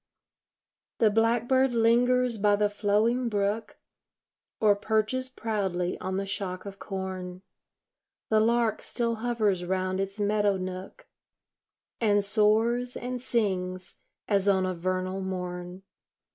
The blackbird lingers by the flowing brook, Or perches proudly on the shock of corn; The lark still hovers round its meadow nook, And soars and sings as on a vernal morn.